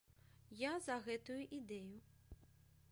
Я за гэтую ідэю.